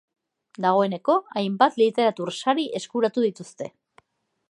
Dagoeneko hainbat literatur sari eskuratu dituzte.